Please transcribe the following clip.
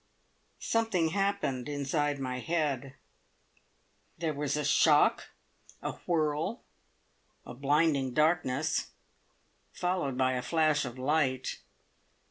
Something happened inside my head. There was a shock, a whirl, a blinding darkness, followed by a flash of light.